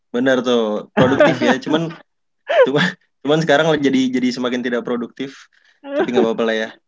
bener tuh produktif ya cuman sekarang jadi semakin tidak produktif tapi gapapa lah ya